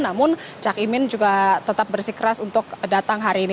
namun cak imin juga tetap bersikeras untuk datang hari ini